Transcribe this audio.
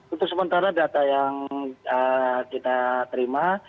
untuk sementara data yang kita terima